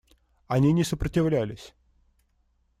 Они не сопротивлялись.